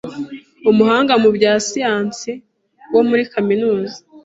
umuhanga mu bya siyansi wo muri Kaminuza